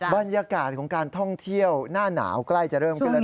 บรรยากาศของการท่องเที่ยวหน้าหนาวใกล้จะเริ่มขึ้นแล้ว